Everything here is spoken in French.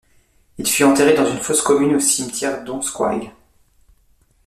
Il fut enterré dans une fausse commune au Cimetière Donskoï.